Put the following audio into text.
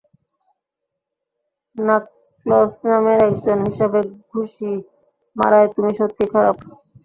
Knuckles নামের একজন হিসাবে ঘুষি মারায় তুমি সত্যিই খারাপ।